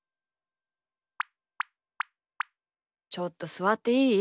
ちょっとすわっていい？